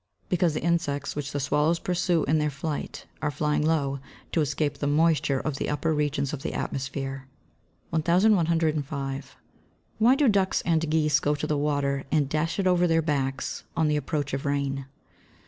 _ Because the insects which the swallows pursue in their flight are flying low, to escape the moisture of the upper regions of the atmosphere. 1105. _Why do ducks and geese go to the water, and dash it over their backs on the approach of rain?